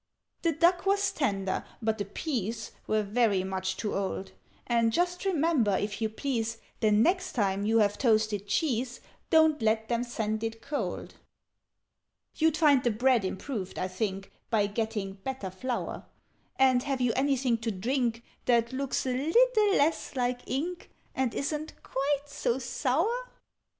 "The duck was tender, but the peas Were very much too old: And just remember, if you please, The next time you have toasted cheese, Don't let them send it cold. "You'd find the bread improved, I think, By getting better flour: And have you anything to drink That looks a little less like ink, And isn't quite so sour?"